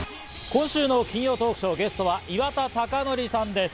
今週の金曜トークショー、ゲストは岩田剛典さんです。